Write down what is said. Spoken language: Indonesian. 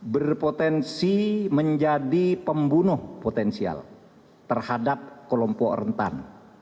berpotensi menjadi pembunuh potensial terhadap kelompok rentan